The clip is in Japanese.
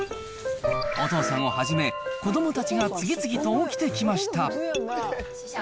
お父さんをはじめ子どもたちが次々と起きてきました。